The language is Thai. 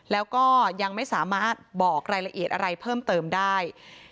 แล้วก็ยังไม่สามารถบอกรายละเอียดอะไรเพิ่มเติมได้